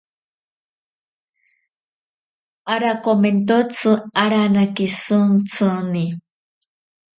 Arakomentotsi aranake shintsini.